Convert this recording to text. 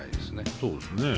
そうですね。